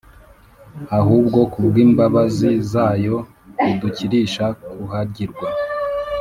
ahubwo kubw’imbabazi zayo, idukirisha kuhagirwa,